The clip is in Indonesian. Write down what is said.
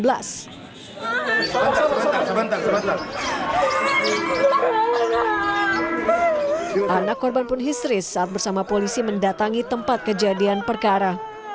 anak korban pun histeris saat bersama polisi mendatangi tempat kejadian perkara